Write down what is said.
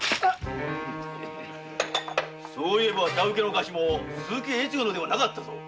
そういえば茶受けの菓子も「鈴木越後」ではなかったぞ。